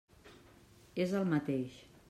És el mateix.